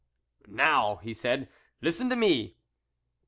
" Now," he said, " listen to me."